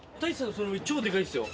その実超デカいですよ。